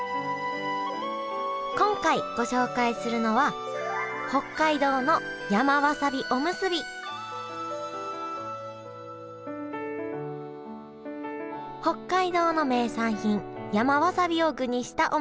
今回ご紹介するのは北海道の名産品山わさびを具にしたおむすびです。